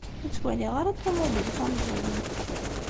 Ur ttwaliɣ ara ṭumubil tameẓyant.